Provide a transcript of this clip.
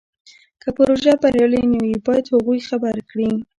که پروژه بریالۍ نه وي باید هغوی خبر کړي.